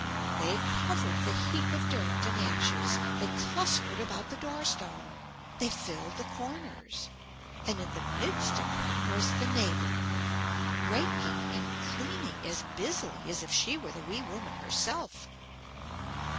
They covered the heap of dirt and ashes, they clustered about the door stone; they filled the corners; and in the midst of them was the neighbor, raking and cleaning as busily as if she were the wee woman herself.